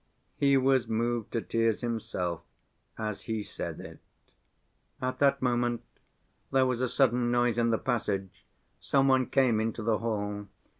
He was moved to tears himself as he said it. At that moment there was a sudden noise in the passage, some one came into the hall.